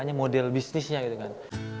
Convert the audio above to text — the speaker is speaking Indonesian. hanya model bisnisnya gitu kan